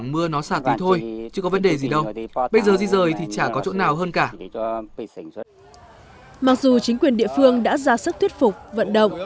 mặc dù chính quyền địa phương đã ra sức thuyết phục vận động